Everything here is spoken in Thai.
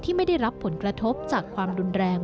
ไม่ได้รับผลกระทบจากความรุนแรง